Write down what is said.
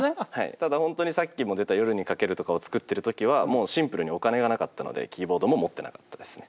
ただ本当にさっきも出た「夜に駆ける」とかを作ってる時はもうシンプルにお金がなかったのでキーボードも持ってなかったですね。